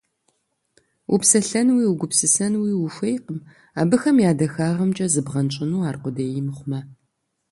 Упсэлъэнуи угупсысэнуи ухуейкъым, абыхэм я дахагъымкӀэ зыбгъэнщӀыну аркъудей мыхъумэ.